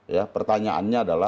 ya pertanyaannya adalah